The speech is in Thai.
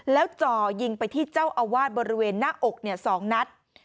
แล้วจ่อยิงไปที่เจ้าอาวาสบริเวณหน้าอก๒นัด